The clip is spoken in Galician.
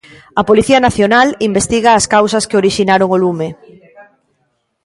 A Policía Nacional investiga as causas que orixinaron o lume.